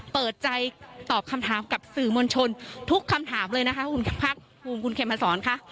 เปิดใจตอบคำถามกับสื่อมนต์ชนทุกคำถามเลยนะคะคุณพรรคคุณเขมศร